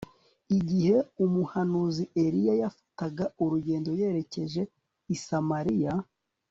Igihe umuhanuzi Eliya yafataga urugendo yerekeje i Samariya